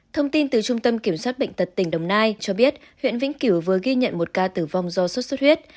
thông tin từ trung tâm kiểm soát bệnh tật tỉnh đồng nai cho biết huyện vĩnh cửu vừa ghi nhận một ca tử vong do sốt xuất huyết